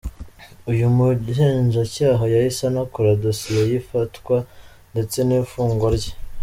Uyu mugenzacyaha yahise anakora dosiye y’ifatwa ndetse n’iy’ifungwa rye.